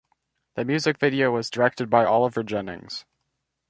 The music video was directed by Oliver Jennings.